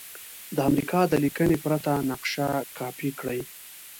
د امریکا د لیکنې پرته نقشه کاپې کړئ.